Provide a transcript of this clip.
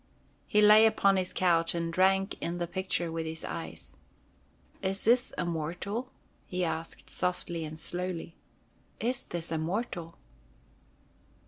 He lay upon his couch and drank in the picture with his eyes. "Is this a mortal?" he said softly and slowly. "Is this a mortal?"